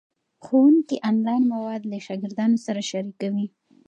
ښوونکي آنلاین مواد له شاګردانو سره شریکوي.